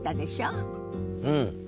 うん。